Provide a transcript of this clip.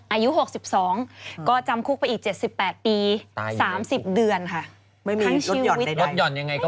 อายุ๖๒ก็จำคุกไปอีก๗๘ปี๓๐เดือนค่ะ